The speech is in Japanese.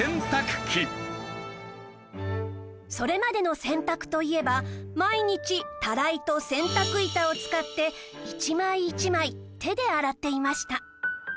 それまでの洗濯といえば毎日たらいと洗濯板を使って１枚１枚手で洗っていました